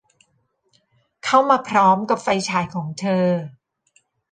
เข้ามาพร้อมกับไฟฉายของเธอ